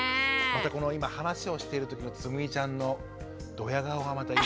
またこの今話をしてるときのつむぎちゃんのドヤ顔がまたいいですね。